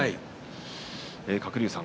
鶴竜さん